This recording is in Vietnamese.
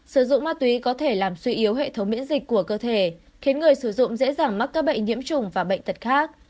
sử dụng ma túy có thể làm suy yếu hệ thống miễn dịch của cơ thể khiến người sử dụng dễ dàng mắc các bệnh nhiễm trùng và bệnh tật khác